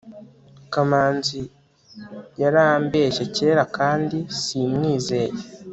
kamanzi yarambeshye kera kandi simwizeye